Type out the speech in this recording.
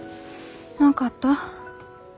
何かあった？